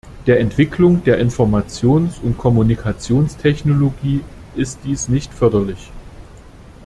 Der Entwicklung der Informations- und Kommunikationstechnologie ist dies nicht förderlich.